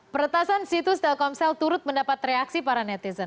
peretasan situs telkomsel turut mendapat reaksi para netizen